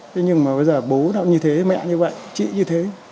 thế nhưng mà bây giờ bố nào như thế mẹ như vậy chị như thế